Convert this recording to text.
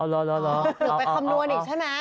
หนึ่งไปคำนวณอีกใช่ไหม